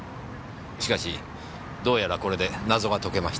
しかしどうやらこれで謎が解けました。